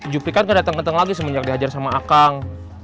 jupri kan gak datang datang lagi semenjak diajar sama akang